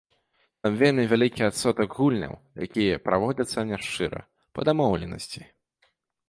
Там вельмі вялікі адсотак гульняў, якія праводзяцца няшчыра, па дамоўленасці.